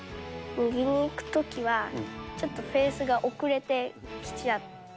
右に行くときは、ちょっとフェースが遅れてきちゃう。